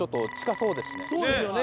そうですよね